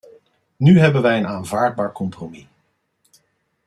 Nu hebben wij een aanvaardbaar compromis.